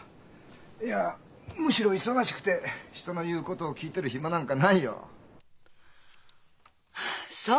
いやむしろ忙しくて人の言うことを聞いてる暇なんかないよ。はあそう？